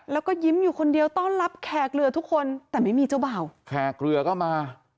แล้วก็ยิ้มอยู่คนเดียวต้อนรับแขกเรือทุกคนแต่ไม่มีเจ้าบ่าวแขกเรือก็มา